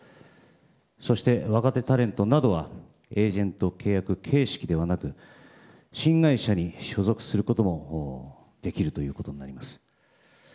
そして、若手タレントなどはエージェント契約形式ではなく新会社に所属することもできるということになります。